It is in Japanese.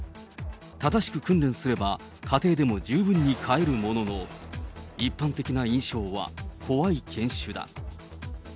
正しく訓練すれば、家庭でも十分に飼えるものの、一般的な印象は、怖い犬種だ。